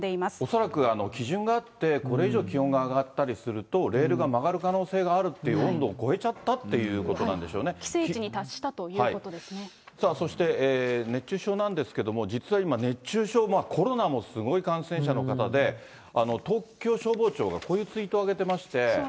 恐らく基準があって、これ以上気温が上がったりすると、レールが曲がる可能性があるっていう温度を超えちゃったというこ規制値に達したということでさあ、そして熱中症なんですけれども、実は今、熱中症、コロナもすごい感染者の方で、東京消防庁がこういうツイートをあげてまして。